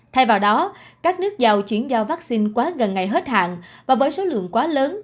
thay vào đó các nước giàu chuyển giao vaccine quá gần ngày hết hạn và với số lượng quá lớn